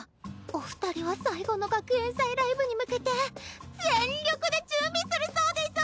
お二人は最後の学園祭ライブに向けて全力で準備するそうデス！